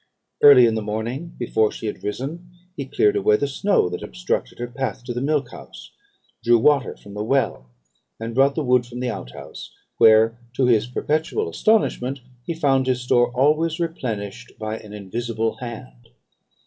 Early in the morning, before she had risen, he cleared away the snow that obstructed her path to the milk house, drew water from the well, and brought the wood from the out house, where, to his perpetual astonishment, he found his store always replenished by an invisible hand.